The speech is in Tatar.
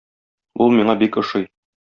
Ул миңа бик ошый.